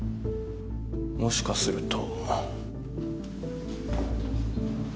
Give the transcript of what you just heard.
もしかすると。